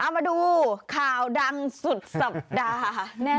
มาดูข่าวดังสุดสัปดาแน่นอนว่าดัง